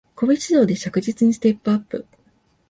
個別指導で着実にステップアップ